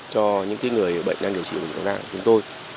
về bệnh đang điều trị bệnh tật của chúng tôi